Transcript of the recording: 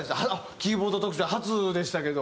キーボード特集初でしたけど。